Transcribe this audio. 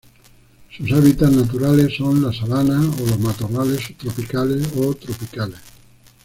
Sus hábitats naturales son las sabanas o los matorrales subtropicales o tropicales.